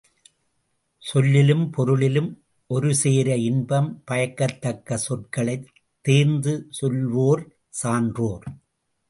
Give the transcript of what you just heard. சொல்லிலும் பொருளிலும் ஒருசேர இன்பம் பயக்கத்தக்க சொற்களைத் தேர்ந்து சொல்வோர் சான்றோர்.